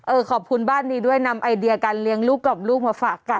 ขอบคุณบ้านนี้ด้วยนำไอเดียการเลี้ยงลูกกับลูกมาฝากกัน